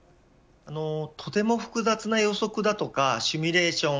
とても複雑な予測だとかシミュレーション